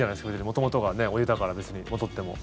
元々がお湯だから別に戻っても。